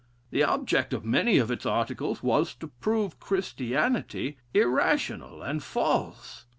The object of many of its articles was to prove Christianity irrational and false.